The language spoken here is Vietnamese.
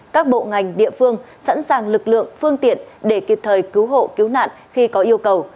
các bộ ngành địa phương sẵn sàng lực lượng phương tiện để kịp thời cứu hộ cứu nạn khi có yêu cầu